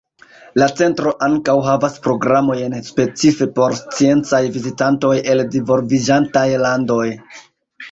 La centro ankaŭ havas programojn specife por sciencaj vizitantoj el divolviĝantaj landoj.